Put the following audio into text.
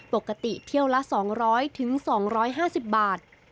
ปกติเที่ยวละ๒๐๐๒๕๐บาท